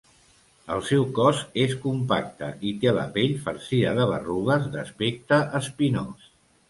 El seu cos és compacte i té la pell farcida de berrugues d'aspecte espinós.